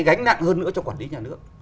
gánh nặng hơn nữa cho quản lý nhà nước